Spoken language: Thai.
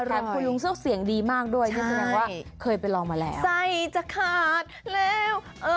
คุณลุงเสื้อเสียงดีมากด้วยเคยไปลองมาแล้วไส้จะขาดแล้ว